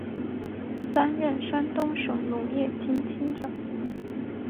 担任山东省农业厅厅长。